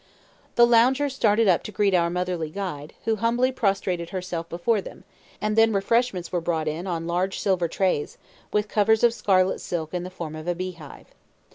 The loungers started up to greet our motherly guide, who humbly prostrated herself before them; and then refreshments were brought in on large silver trays, with covers of scarlet silk in the form of a bee hive.